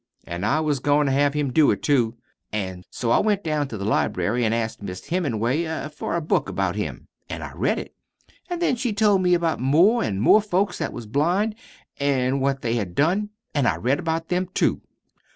An' I was goin' to have him do it, too. An' so I went down to the library an' asked Miss Hemenway for a book about him. An' I read it. An' then she told me about more an' more folks that was blind, an' what they had done. An' I read about them, too."